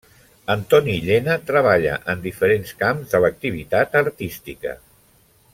Antoni Llena treballa en diferents camps de l'activitat artística.